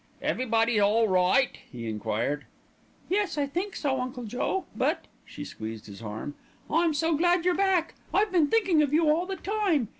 "Everybody all right?" he enquired. "Yes, I think so, Uncle Joe, but," she squeezed his arm, "I'm so glad you're back. I've been thinking of you all the time.